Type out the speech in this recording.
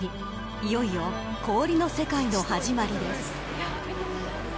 いよいよ氷の世界の始まりです。